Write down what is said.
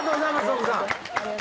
奥さん。